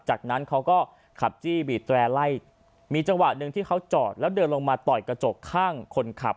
จากนั้นเขาก็ขับจี้บีดแร่ไล่มีจังหวะหนึ่งที่เขาจอดแล้วเดินลงมาต่อยกระจกข้างคนขับ